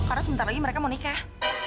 karena sebentar lagi mereka mau nikah